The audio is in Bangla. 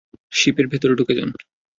শিপের ভেতরে ঢুকে যান!